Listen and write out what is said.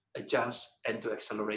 menyesuaikan dan untuk akselerasi